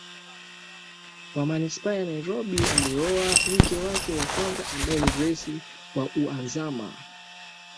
wa manispaa ya Nairobi alioa mke wake wa kwanza ambaye ni Grace WahuAzma